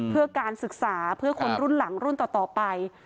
เพื่อการศึกษาเพื่อคนรุ่นหลังรุ่นต่อไป